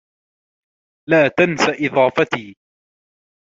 لا تنس إضافتي.